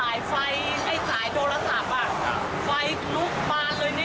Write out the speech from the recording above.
ไอ้สายโดรศัพท์ไฟลุกมาเลย